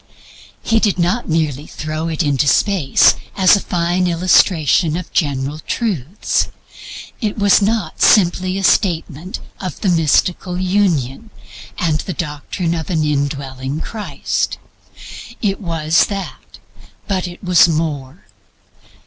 He did not merely throw it into space as a fine illustration of general truths. It was not simply a statement of the mystical union, and the doctrine of an indwelling Christ. It was that; but it was more.